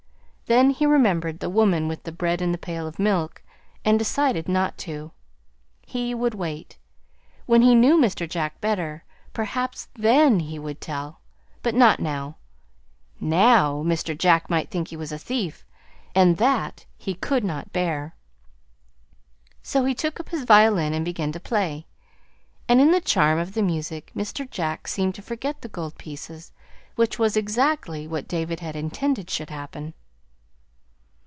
Then he remembered the woman with the bread and the pail of milk, and decided not to. He would wait. When he knew Mr. Jack better perhaps then he would tell; but not now. NOW Mr. Jack might think he was a thief, and that he could not bear. So he took up his violin and began to play; and in the charm of the music Mr. Jack seemed to forget the gold pieces which was exactly what David had intended should happen.